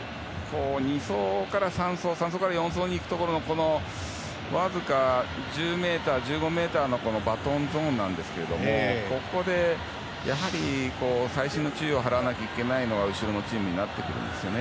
２走から３走３走から４走に行くところのわずか１０ｍ、１５ｍのバトンゾーンですがここで、やはり細心の注意を払わなければいけないのは後ろのチームになってくるんですよね。